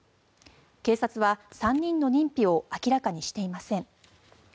警察は３人の認否を明らかにしていません。